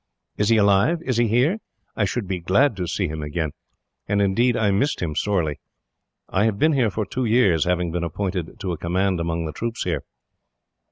"Is he alive? Is he here? I should be glad to see him again; and indeed, I missed him sorely. I have been here for two years, having been appointed to a command among the troops here."